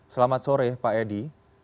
selamat sore pak edy